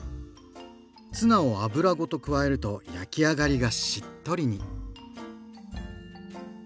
ツナを油ごと加えると焼き上がりがしっとりに。